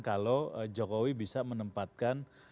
kalau jokowi bisa menempatkan